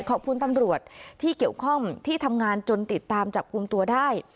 ขอบคุณตำรวจที่เกี่ยวข้องที่ทำงานจนติดตามจับกลุ่มตัวได้